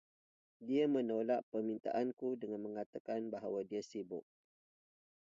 Dia menolak permintaanku dengan mengatakan bahwa dia sibuk.